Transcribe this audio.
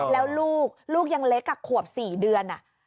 แล้วลูกลูกยังเล็กขวบ๔เดือน